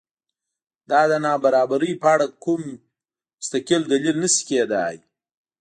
دا د نابرابرۍ په اړه کوم مستقل دلیل نه شي کېدای.